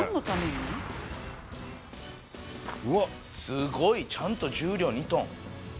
すごいちゃんと重量２ｔ。